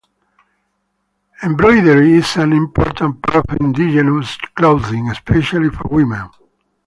Embroidery is an important part of indigenous clothing, especially for women.